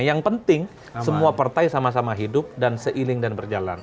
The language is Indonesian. yang penting semua partai sama sama hidup dan seiring dan berjalan